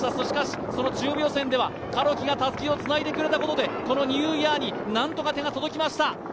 しかし、中部予選ではカロキがたすきをつないでくれたことでこのニューイヤーに何とか手が届きました。